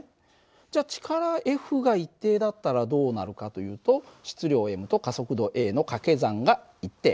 じゃ力Ｆが一定だったらどうなるかというと質量ｍと加速度ａの掛け算が一定。